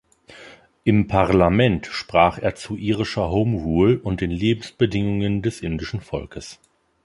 Im Parlament sprach er zu irischer Home Rule und den Lebensbedingungen des indischen Volkes.